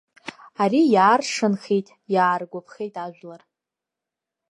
Ари иааршанхеит, иааргәаԥхеит ажәлар.